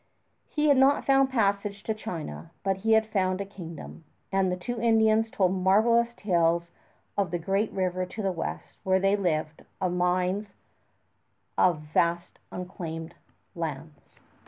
He had not found passage to China, but he had found a kingdom; and the two Indians told marvelous tales of the Great River to the West, where they lived, of mines, of vast unclaimed lands.